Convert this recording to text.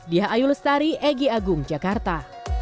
dia ayu lestari egy agung jakarta